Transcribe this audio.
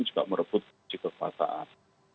ini juga merebut kekuasaan